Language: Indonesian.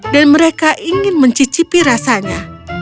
dan mereka ingin mencicipi rasanya